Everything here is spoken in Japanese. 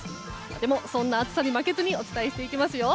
でも、そんな暑さに負けずにお伝えしていきますよ。